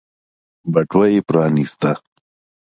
بټوه يې پرانيسته.